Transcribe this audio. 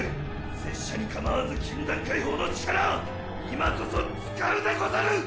拙者にかまわず禁断解放の力今こそ使うでござる！